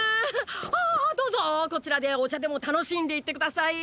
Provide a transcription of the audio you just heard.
あぁぁっどうぞこちらでお茶でも楽しんでいって下さい！！